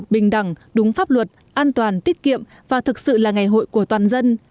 bình đẳng đúng pháp luật an toàn tiết kiệm và thực sự là ngày hội của toàn dân